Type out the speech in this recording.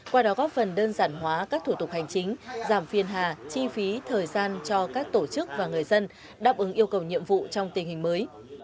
qua đó góp phần đơn giản hóa các thủ tục hành chính giảm phiền hà chi phí thời gian cho các tổ chức và người dân đáp ứng yêu cầu nhiệm vụ trong tình hình mới